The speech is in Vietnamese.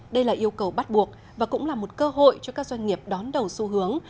đây là yêu cầu bắt buộc và cũng là một cơ hội cho các doanh nghiệp đón đầu xu hướng